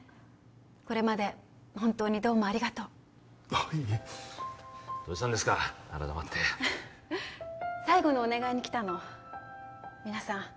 これまで本当にどうもありがとうあっいえどうしたんですか改まって最後のお願いに来たの皆さん